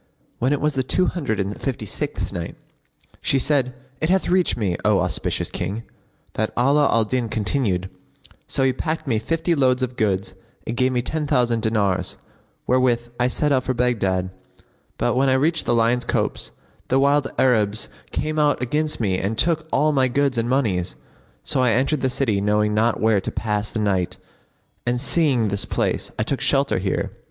When it was the Two Hundred and Fifty sixth Night, She said, It hath reached me, O auspicious King, that Ala al Din continued, "So he packed me fifty loads of goods and gave me ten thousand dinars, wherewith I set out for Baghdad; but when I reached the Lion's Copse, the wild Arabs came out against me and took all my goods and monies. So I entered the city knowing not where to pass the night and, seeing this place, I took shelter here."